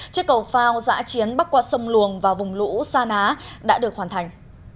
chiếc cầu phao giã chiến bắc qua sông luồng và vùng lũ sa ná đã được hoàn thành